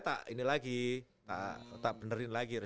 tak ini lagi tetap benerin lagi